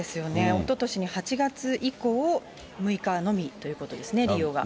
おととしに８月以降、６日のみということですね、利用が。